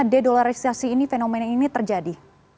dedolarisasi ini fenomena ini terjadi